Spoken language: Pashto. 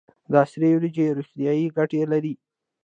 د سرې وریجې روغتیایی ګټې لري.